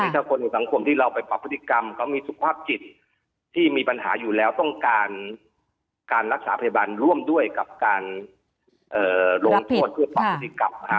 ถ้าคนในสังคมที่เราไปปรับพฤติกรรมเขามีสุขภาพจิตที่มีปัญหาอยู่แล้วต้องการการรักษาพยาบาลร่วมด้วยกับการลงโทษเพื่อปรับพฤติกรรม